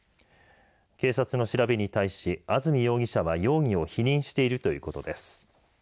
警察の調べに対し安住容疑者は容疑を否認しているということです。